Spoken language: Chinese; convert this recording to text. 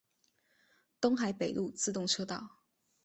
东海北陆自动车道。